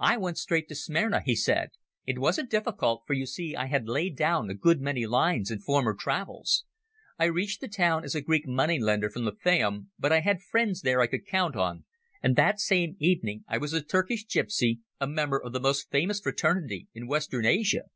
"I went straight to Smyrna," he said. "It wasn't difficult, for you see I had laid down a good many lines in former travels. I reached the town as a Greek money lender from the Fayum, but I had friends there I could count on, and the same evening I was a Turkish gipsy, a member of the most famous fraternity in Western Asia.